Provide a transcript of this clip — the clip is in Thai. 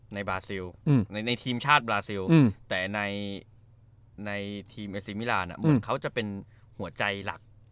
บราซิลในทีมชาติบราซิลแต่ในทีมเอซิมิลานเหมือนเขาจะเป็นหัวใจหลัก